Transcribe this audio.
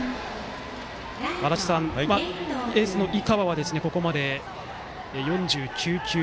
足達さん、エースの井川はここまで４９球。